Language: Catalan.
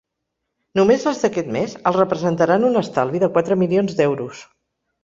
Només les d’aquest mes els representaran un estalvi de quatre milions d’euros.